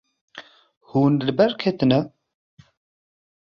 Hûn li ber ketine.